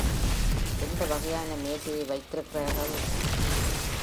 எந்த வகையான மேசையை வைத்திருக்கிறார்கள்?